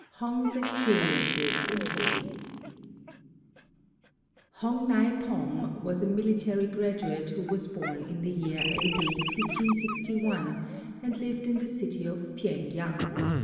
XXXV HONG'S EXPERIENCES IN HADES Hong Nai pom was a military graduate who was born in the year A.D. 1561, and lived in the city of Pyeng yang.